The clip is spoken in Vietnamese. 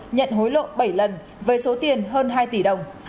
nhận hối lộ bảy lần với số tiền hơn hai tỷ đồng